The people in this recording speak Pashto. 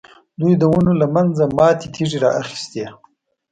دوی د ونو له منځه ماتې تېږې را اخیستې.